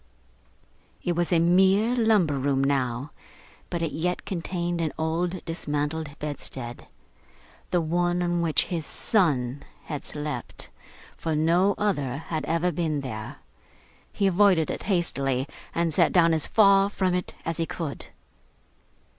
It was a mere lumber room now, but it yet contained an old dismantled bedstead; the one on which his son had slept; for no other had ever been there. He avoided it hastily, and sat down as far from it as he could.